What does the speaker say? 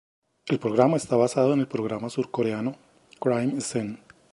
El programa está basado en el programa surcoreano "Crime Scene".